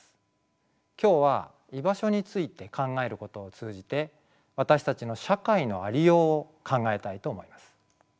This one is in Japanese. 今日は居場所について考えることを通じて私たちの社会のありようを考えたいと思います。